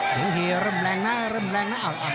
เริ่มแรงนะเริ่มแรงนะ